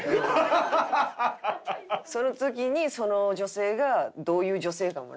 その時にその女性がどういう女性かもな。